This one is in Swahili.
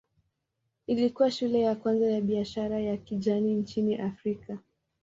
Ilikuwa shule ya kwanza ya biashara ya kijani nchini Afrika.